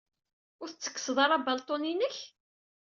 Ur tettekkseḍ-ara abalṭun-inek?